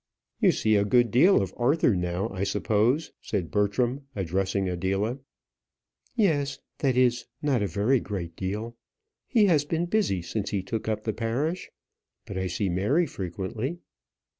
"You see a good deal of Arthur now, I suppose?" said Bertram, addressing Adela. "Yes; that is, not a very great deal. He has been busy since he took up the parish. But I see Mary frequently."